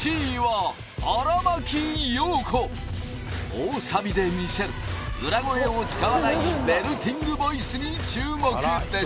大サビで見せる裏声を使わないベルティングボイスに注目です